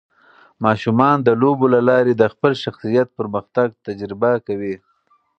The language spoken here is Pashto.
ماشومان د لوبو له لارې د خپل شخصیت پرمختګ تجربه کوي.